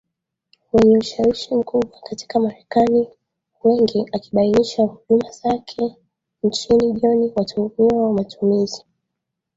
wenye ushawishi mkubwa katika Marekani Wengi akibainisha huduma zake nchini John watuhumiwa wa matumizi